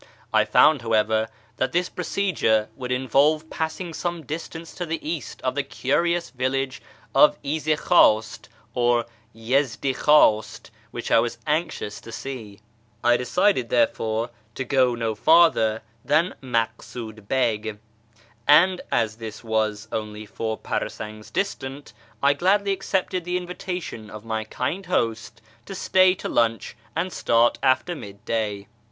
I found, however, that this pro cedure would involve passing some distance to the east of the curious village of Izidkhwast or Yezdikhwast, which I was anxious to see. I therefore decided to go no farther than Maksud Beg, and as this was only four parasangs distant, I gladly accepted the invitation of my kind host to stay to lunch and start after midday.